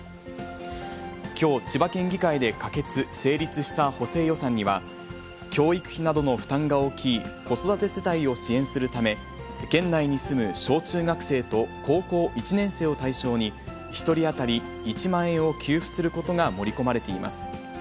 きょう、千葉県議会で可決・成立した補正予算には、教育費などの負担が大きい子育て世帯を支援するため、県内に住む小中学生と高校１年生を対象に、１人当たり１万円を給付することが盛り込まれています。